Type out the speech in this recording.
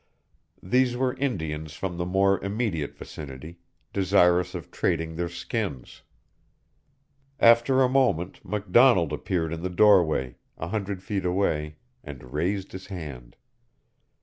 These were Indians from the more immediate vicinity, desirous of trading their skins. After a moment McDonald appeared in the doorway, a hundred feet away, and raised his hand.